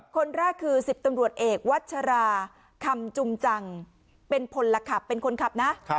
คนแรกคือ๑๐ตำรวจเอกวัชราคำจุมจังเป็นพลขับเป็นคนขับนะ